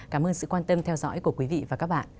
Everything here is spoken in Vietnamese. cảm ơn sự quan tâm theo dõi của quý vị và các bạn